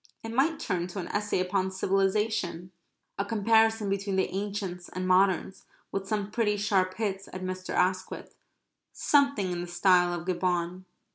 It might turn to an essay upon civilization. A comparison between the ancients and moderns, with some pretty sharp hits at Mr. Asquith something in the style of Gibbon.